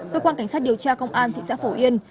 cơ quan cảnh sát điều tra công an thị xã phổ yên